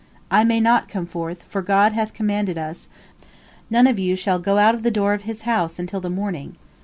"—"I may not come forth, for God bath commanded us, 'None of you shall go out of the door of his house until the morning.'